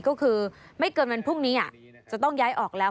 ก็คือไม่เกินวันพรุ่งนี้จะต้องย้ายออกแล้ว